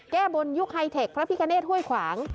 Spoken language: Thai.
แก้บนยุคไฮเทคพระพิกาเนตห้วยขวาง